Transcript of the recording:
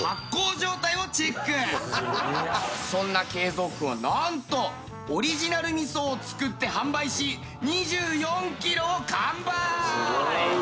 そんな敬蔵君はなんとオリジナル味噌を作って販売し２４キロを完売！